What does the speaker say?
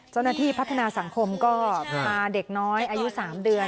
เจ้าหน้าที่พัฒนาสังคมก็พาเด็กน้อยอายุ๓เดือน